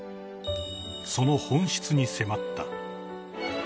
［その本質に迫った］